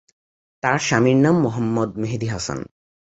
তার স্বামীর নাম মো মেহেদী হাসান।